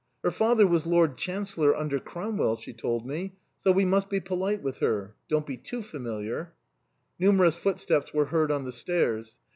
Her father was Lord Chancellor under Cromwell, she told me, so we must be polite with her ; don't be too familiar." Numerous footsteps were heard on the stairs.